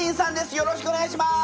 よろしくお願いします！